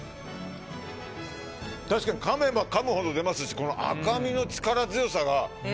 確かにかめばかむほど出ますしこの赤身の力強さが。